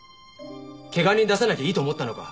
怪我人出さなきゃいいと思ったのか？